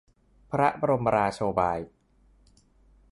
พระบรมราโชบาย